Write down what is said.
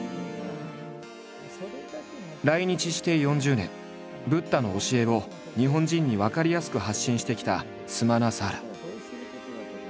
来日して４０年ブッダの教えを日本人に分かりやすく発信してきたスマナサーラ。